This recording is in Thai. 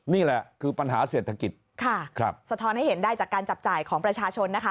นี่แหละคือปัญหาเศรษฐกิจค่ะครับสะท้อนให้เห็นได้จากการจับจ่ายของประชาชนนะคะ